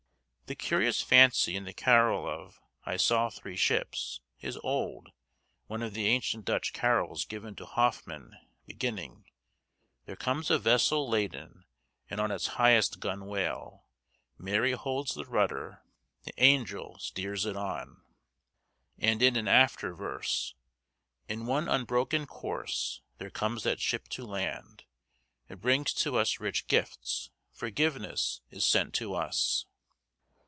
The curious fancy, in the carol of 'I saw three ships,' is old; one of the ancient Dutch carols given by Hoffman, beginning "There comes a vessel laden, And on its highest gunwale, Mary holds the rudder, The angel steers it on." And in an after verse, "In one unbroken course There comes that ship to land, It brings to us rich gifts, Forgiveness is sent to us."